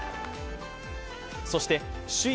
そして首位